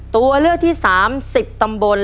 ตัวเลือกที่๓๐ตำบล